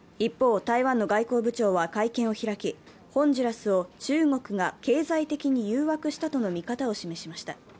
一方、台湾の外交部長は会見を開きホンジュラスを中国が経済的に誘惑したとの見方を示しました。